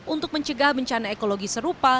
untuk mencegah bencana ekologi serupa